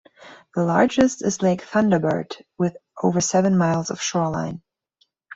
The largest is Lake Thunderbird with over seven miles of shoreline.